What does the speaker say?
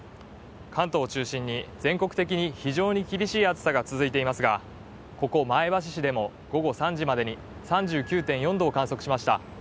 関東を中心に全国的に非常に厳しい暑さが続いていますがここ前橋市でも午後３時までに３９．４度を観測しました。